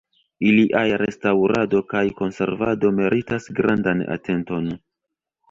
Iliaj restaŭrado kaj konservado meritas grandan atenton.